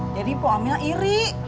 jadi poh aminah iri